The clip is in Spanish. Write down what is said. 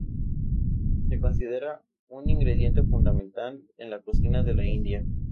Se considera un ingrediente fundamental de la cocina de la India.